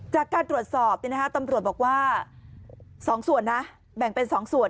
จากการตรวจสอบตำรวจบอกว่า๒ส่วนนะแบ่งเป็น๒ส่วน